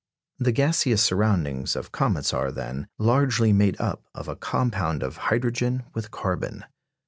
The gaseous surroundings of comets are, then, largely made up of a compound of hydrogen with carbon.